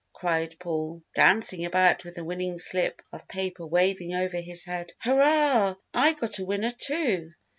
cried Paul, dancing about with the winning slip of paper waving over his head. "Hurrah, I got a winner, too!